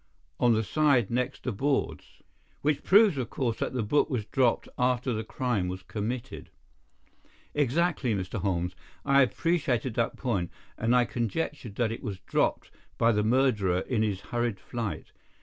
"On the side next the boards." "Which proves, of course, that the book was dropped after the crime was committed." "Exactly, Mr. Holmes. I appreciated that point, and I conjectured that it was dropped by the murderer in his hurried flight.